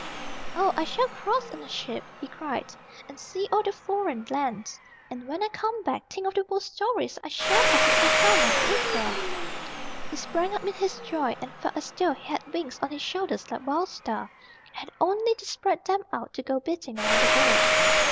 "Oh, I shall cross in a ship," he cried, "and see all the foreign lands. And when I come back, think of the World Stories I shall have to tell Helma and Ivra!" He sprang up in his joy, and felt as though he had wings on his shoulders like Wild Star, and had only to spread them out to go beating around the world.